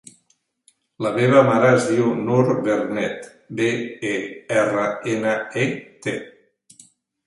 La meva mare es diu Nur Bernet: be, e, erra, ena, e, te.